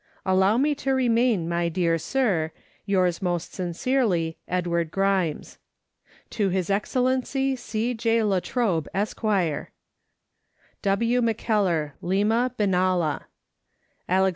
Allow me to remain, my dear Sir, Yours most sincerely, EDWARD GRIMES. To His Excellency C. J. La Trobe, Esq. W. McKellar, Lima, Benalla Alex.